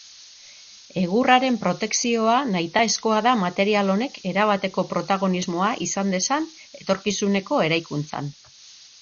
Egurraren protekzioa nahitaezkoa da material honek erabateko protagonismoa izan dezan etorkizuneko eraikuntzan.